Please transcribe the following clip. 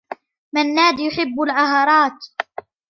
منّاد يحبّ العهرات.